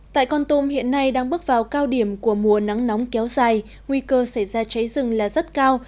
tại con tum hiện nay đang bước vào cao điểm của mùa nắng nóng kéo dài nguy cơ xảy ra cháy rừng là rất cao